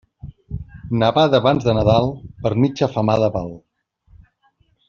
Nevada abans de Nadal, per mitja femada val.